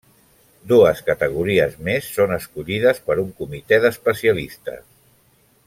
Dues categories més són escollides per un comitè d'especialistes.